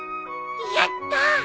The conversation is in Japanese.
やった！